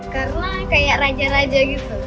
karena kayak raja raja gitu